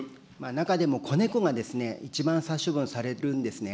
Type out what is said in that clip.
中でも子猫が一番殺処分されるんですね。